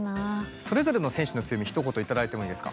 それぞれの選手の強みひと言頂いてもいいですか。